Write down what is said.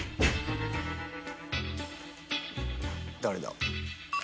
誰だ？